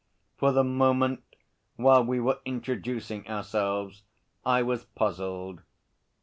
For the moment, while we were introducing ourselves, I was puzzled.